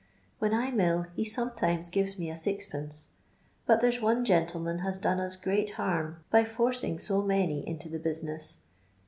When I 'm ill, he sometimes gives me a sixpence ; but there's one gentleman mis done us great harm, by fordng BO many into the business.